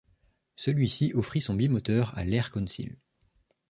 Celui-ci offrit son bimoteur à l’Air Council.